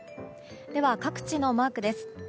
では各地のマークです。